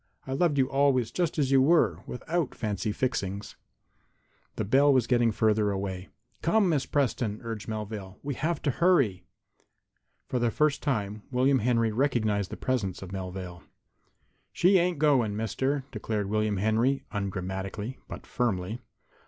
I loved you always just as you were, without fancy fixings." The bell was getting farther away. "Come, Miss Preston," urged Melvale. "We will have to hurry." For the first time William Henry recognized the presence of Melvale. "She ain't going, Mister," declared William Henry, ungrammatically, but firmly.